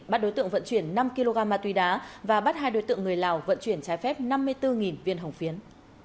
bắt đối tượng vận chuyển năm kg ma túy đá và bắt hai đối tượng người lào vận chuyển trái phép năm mươi bốn viên hồng phiến